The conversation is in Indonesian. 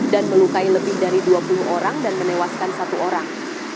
dan melukai lebih dari dua puluh orang dan menewaskan satu orang